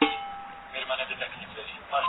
د معلوماتو دقت د څېړني اساس جوړوي.